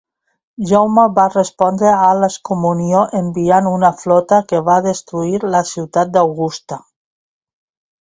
Jaume va respondre a l'excomunió enviant una flota que va destruir la ciutat d'Augusta.